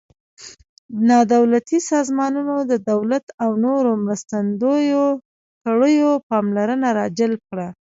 نا دولتي سازمانونو د دولت او نورو مرستندویه کړیو پاملرنه را جلب کړه.